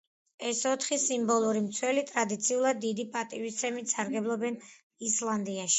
ეს ოთხი სიმბოლური მცველი ტრადიციულად დიდი პატივისცემით სარგებლობდნენ ისლანდიაში.